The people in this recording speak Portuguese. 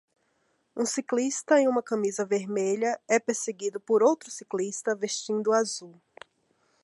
Um ciclista em uma camisa vermelha é perseguido por outro ciclista vestindo azul.